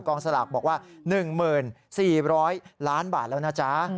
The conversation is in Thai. กองสลากบอกว่า๑หมื่น๔๐๐ล้านบาทแล้วนะจ๊ะ